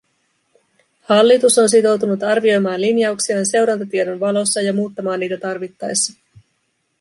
Hallitus on sitoutunut arvioimaan linjauksiaan seurantatiedon valossa ja muuttamaan niitä tarvittaessa.